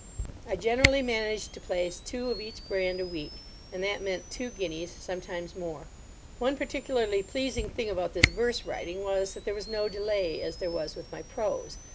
I generally managed to place two of each brand a week; and that meant two guineas, sometimes more. One particularly pleasing thing about this verse writing was that there was no delay, as there was with my prose.